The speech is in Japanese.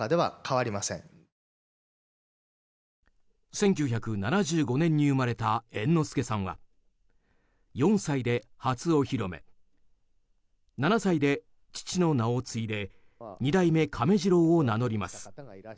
１９７５年に生まれた猿之助さんは４歳で初お披露目７歳で父の名を継いで二代目亀治郎を名乗ります。